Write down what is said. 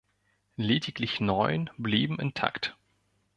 Lediglich neun blieben intakt.